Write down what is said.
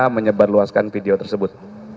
menyebarluaskan video tersebut